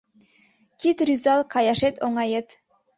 Кид рӱзал каяшет оҥает.